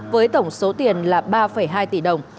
với tổng số tiền là ba hai tỷ đồng